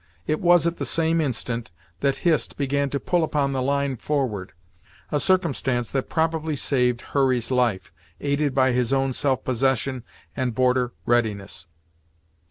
It was at the same instant that Hist began to pull upon the line forward a circumstance that probably saved Hurry's life, aided by his own self possession and border readiness.